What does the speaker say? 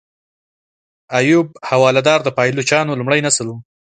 ایوب احوالدار د پایلوچانو لومړی نسل و.